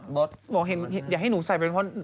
บอกอยากให้หนูใส่แบบเนี่ย